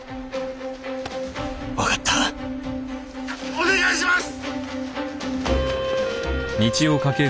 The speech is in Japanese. お願いします！